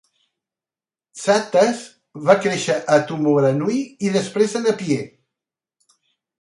Psathas va créixer a Taumarunui i després a Napier.